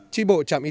chi bộ chạm ý